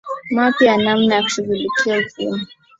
mapya ya namna ya kushughulikia ukimwi